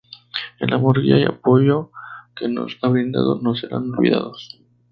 El amor, guía y apoyo que nos ha brindado no serán olvidados.